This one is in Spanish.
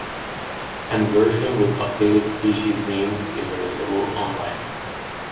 An version with updated species names is available online.